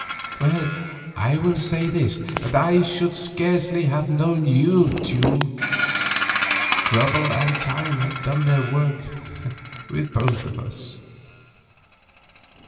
"Well, I will say this, that I should scarcely have known you, Teule. Trouble and time have done their work with both of us."